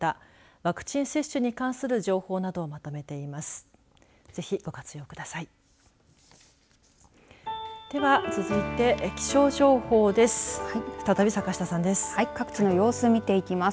ワクチン接種に関する情報などをまとめています。